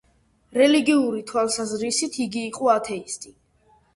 რელიგიური თვალსაზრისით იგი იყო ათეისტი.